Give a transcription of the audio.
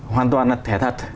hoàn toàn là thẻ thật